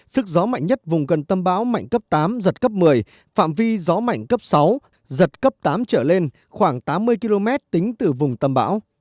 sức gió mạnh nhất vùng gần tâm bão mạnh cấp tám giật cấp một mươi phạm vi gió mạnh cấp sáu giật cấp tám trở lên khoảng tám mươi km tính từ vùng tâm bão